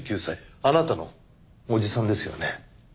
あなたの叔父さんですよね。